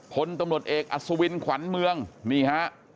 พนตเอกอสวินขวัญเมืองนะครับ